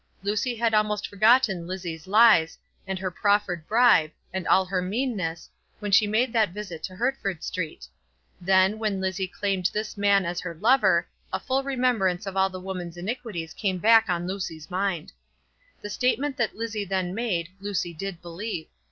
Lucy had almost forgotten Lizzie's lies, and her proffered bribe, and all her meanness, when she made that visit to Hertford Street. Then, when Lizzie claimed this man as her lover, a full remembrance of all the woman's iniquities came back on Lucy's mind. The statement that Lizzie then made, Lucy did believe.